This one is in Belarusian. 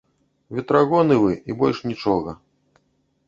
Ветрагоны вы, і больш нічога.